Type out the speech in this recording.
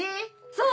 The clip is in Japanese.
そう？